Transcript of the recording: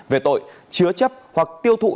về tội chứa chấp hoặc tiêu thụ